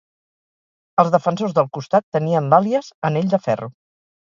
Els defensors del costat tenien l"àlies "anell de ferro".